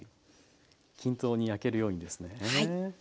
均等に焼けるようにですね。